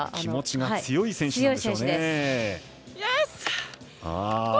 気持ちが強い選手です。